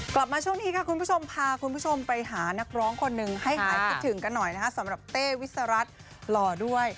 กลับมาช่วงนี้ค่ะคุณผู้ชมพาคุณผู้ชมไปหานักร้องคนหนึ่งให้หายคิดถึงกันหน่อยนะคะสำหรับเต้วิสรัฐหล่อด้วย